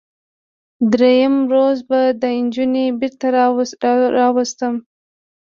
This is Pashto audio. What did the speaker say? دریم روز به دا نجونې بیرته راواستوم.